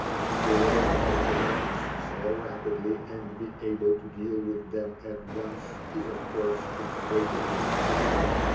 To learn of events so rapidly and be able to deal with them at once is of course a great advantage.